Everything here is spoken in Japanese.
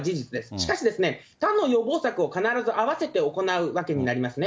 しかし、他の予防策を必ず併せて行うわけになりますね。